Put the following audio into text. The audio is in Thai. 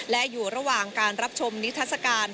และอยู่ระหว่างการรับชมนิทัศกาล